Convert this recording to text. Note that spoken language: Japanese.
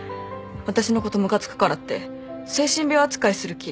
私のことムカつくからって精神病扱いする気？